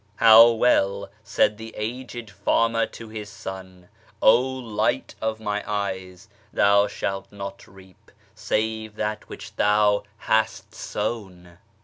"'' How well said tlie aged farmer to liis son, " O Light of my eyes, thou shaltnot reap save that which thou hast sown!"'